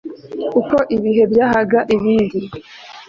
uko ibihe byahaga ibindi